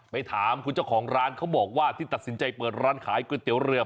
ไปถามคุณเจ้าของร้านเขาบอกว่าที่ตัดสินใจเปิดร้านขายก๋วยเตี๋ยวเรือ